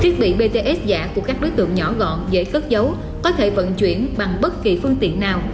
thiết bị bts giả của các đối tượng nhỏ gọn dễ cất dấu có thể vận chuyển bằng bất kỳ phương tiện nào